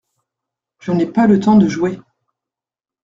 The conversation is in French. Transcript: Je n’ai pas le temps de jouer.